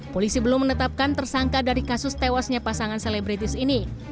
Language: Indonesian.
polisi belum menetapkan tersangka dari kasus tewasnya pasangan selebritis ini